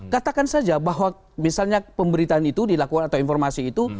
katakan saja bahwa misalnya pemberitaan itu dilakukan atau informasi itu